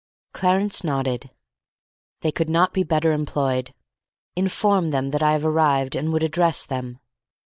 Clarence nodded. "They could not be better employed. Inform them that I have arrived and would address them."